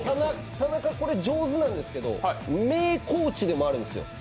田中、これ上手なんですけど名コーチでもあるんですよ。